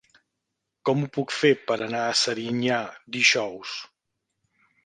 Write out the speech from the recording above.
Com ho puc fer per anar a Serinyà dijous?